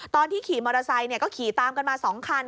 ขี่มอเตอร์ไซค์ก็ขี่ตามกันมา๒คัน